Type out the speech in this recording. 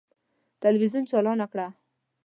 تلویزون چالانه کړه!